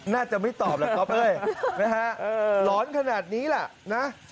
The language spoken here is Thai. น่าจะไม่ตอบล่ะก๊อปเฮ้ยร้อนขนาดนี้ล่ะนะ